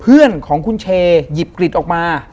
เพื่อนของคุณเชหยิบกริดออกมา